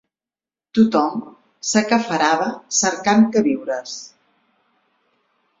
Tothom s'aqueferava cercant queviures